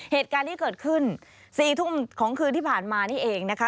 เหตุการณ์ที่เกิดขึ้น๔ทุ่มของคืนที่ผ่านมานี่เองนะคะ